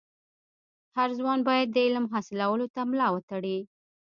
هر ځوان باید د علم حاصلولو ته ملا و تړي.